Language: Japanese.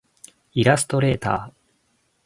イラストレーター